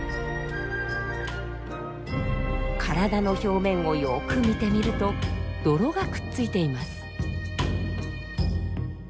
体の表面をよく見てみると泥がくっついています。